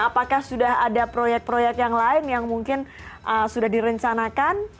apakah sudah ada proyek proyek yang lain yang mungkin sudah direncanakan